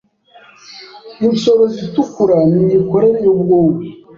insoro zitukura n’imikorere y’ubwonko